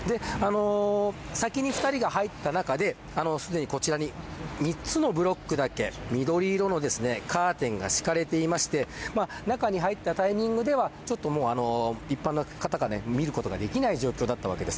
先に２人が入った中ですでに、こちらに３つのブロックだけ、緑色のカーテンが敷かれていまして中に入ったタイミングでは一般の方が見ることができない状況だったわけです。